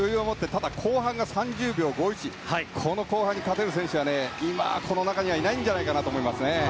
ただ、後半が３０秒５１と後半にかける選手は今、この中にはいないんじゃないかと思います。